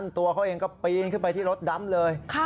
ตัวเขาเองก็ปีนขึ้นไปที่รถดำเลย